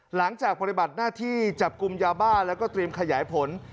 หลังจากปฏิบัติหน้าที่จับกลุ่มยาบ้าแล้วก็เตรียมขยายผล